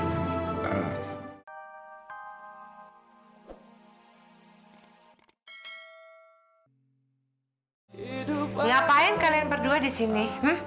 ngapain kalian berdua disini